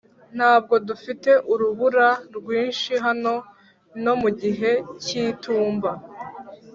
ntabwo dufite urubura rwinshi hano no mu gihe cy'itumba.